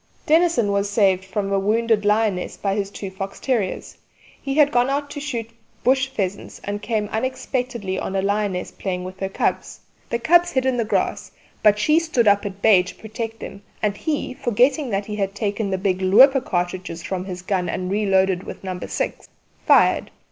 Dennison was saved from a wounded lioness by his two fox terriers. He had gone out to shoot bush pheasants, and came unexpectedly on a lioness playing with her cubs: the cubs hid in the grass, but she stood up at bay to protect them, and he, forgetting that he had taken the big 'looper' cartridges from his gun and reloaded with No. 6, fired.